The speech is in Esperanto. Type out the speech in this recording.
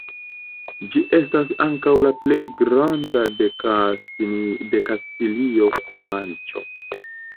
Ĝi estas ankaŭ la plej granda de Kastilio-Manĉo.